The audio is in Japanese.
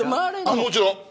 もちろん。